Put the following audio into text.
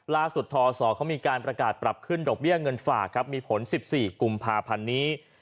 ล่าสุดทอสมีการประกาศปรับขึ้นดอกเบี้ยเงินฝากมีผล๑๔กุมภาพันนี้